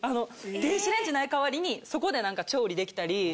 電子レンジない代わりにそこで調理できたり。